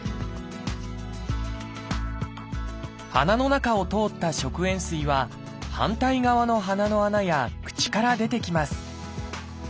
鼻の中を通った食塩水は反対側の鼻の穴や口から出てきます